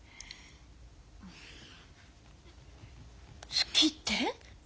好きって？